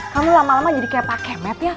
kamu lama lama jadi kayak pake mat ya